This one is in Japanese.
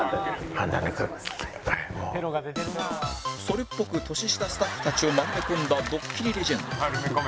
それっぽく年下スタッフたちを丸め込んだドッキリレジェンド